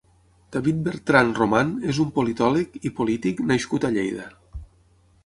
David Bertran Román és un politòleg i polític nascut a Lleida.